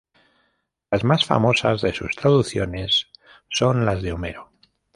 Las más famosas de sus traducciones son las de Homero.